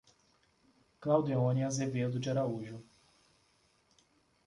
Claudeone Azevedo de Araújo